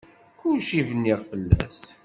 Kulci bniɣ fell-as.